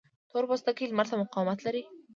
تور پوستکی لمر ته مقاومت لري